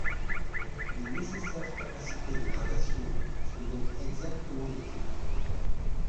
Les nécessaires capacités de gradation sont donc exactement décrites.